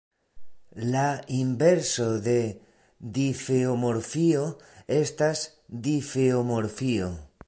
La inverso de difeomorfio estas difeomorfio.